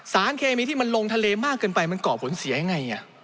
สารเคมีที่มันลงทะเลมากเกินไปมันก่อผลเสียยังไง